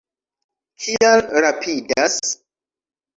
Kial rapidas?